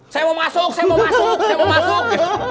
saya mau masuk saya mau masuk